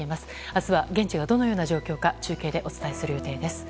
明日は現地がどのような状況か中継でお伝えする予定です。